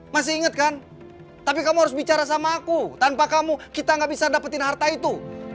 masih inget kan tapi kamu harus bicara sama aku tanpa kamu kita gak bisa dapetin harta itu